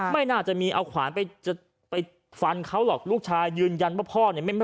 ไม่น่าจะมีเอาขวานไปจะไปฟันเขาหรอกลูกชายยืนยันว่าพ่อเนี่ย